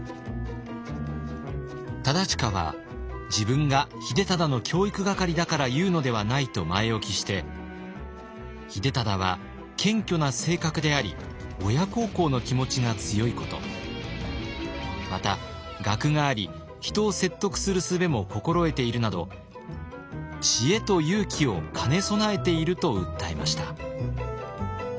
忠隣は「自分が秀忠の教育係だから言うのではない」と前置きして秀忠は謙虚な性格であり親孝行の気持ちが強いことまた学があり人を説得するすべも心得ているなど知恵と勇気を兼ね備えていると訴えました。